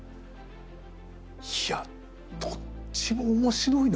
いや「どっちも面白いの？